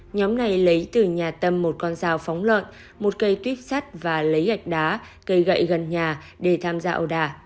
nhóm này lấy từ nhà tâm một con rào phóng lợn một cây tuyết sắt và lấy gạch đá cây gậy gần nhà để tham gia ổ đà